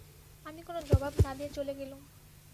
আমি কোনো জবাব না দিয়ে চলে গেলুম।